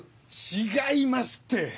違いますって！